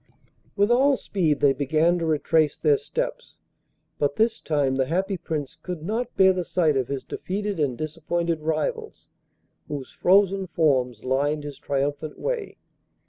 With all speed they began to retrace their steps, but this time the happy Prince could not bear the sight of his defeated and disappointed rivals, whose frozen forms lined his triumphant way.